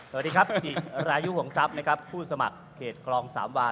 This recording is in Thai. สวัสดีครับจิตรายุห่วงทรัพย์ผู้สมัครเขตกลองสามวา